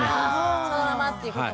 あそのままっていうことも。